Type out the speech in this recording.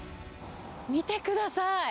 見てください。